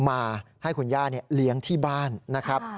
มาให้คุณย่าเลี้ยงที่บ้านนะครับ